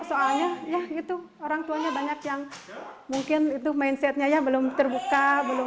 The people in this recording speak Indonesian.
soalnya orang tuanya banyak yang mungkin itu mindsetnya belum terbuka